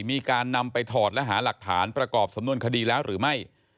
มีการนำไปถอดและหาหลักฐานประกอบสำนวนคดีแล้วหรือไม่